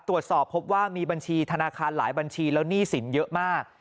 ตรวจสอบพบว่ามีบัญชีธนาคารหลายบัญชีแล้วหนี้สินเยอะมาก